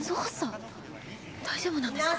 大丈夫なんですか？